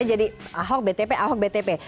ahok btp ahok btp